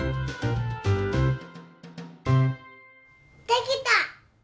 できた！